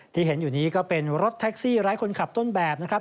ที่เห็นอยู่นี้ก็เป็นรถแท็กซี่ไร้คนขับต้นแบบนะครับ